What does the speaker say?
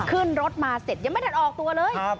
ขึ้นรถมาเสร็จยังไม่ทันออกตัวเลย